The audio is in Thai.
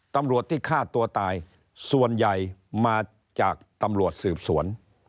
ตำรวจที่ฆ่าตัวตายส่วนใหญ่มาจากตำรวจสืบสวน